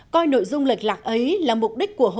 coi nội dung lệch lạc ấy là mục đích của nghệ sĩ